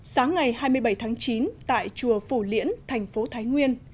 sáng ngày hai mươi bảy tháng chín tại chùa phủ liễn thành phố thái nguyên